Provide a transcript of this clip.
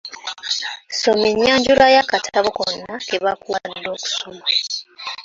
Soma ennyanjula y'akatabo konna ke bakuwadde okusoma.